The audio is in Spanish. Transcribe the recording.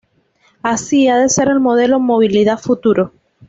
así ha de ser el modelo de movilidad futuro